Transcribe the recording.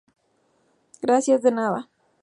gracias. de nada.